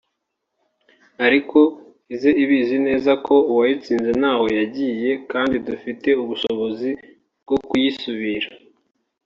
ariko ize ibizi neza ko uwayitsinze ntaho yagiye kandi dufite ubushobozi bwo kuyisubira